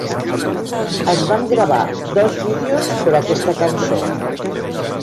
Es van gravar dos vídeos per aquesta cançó.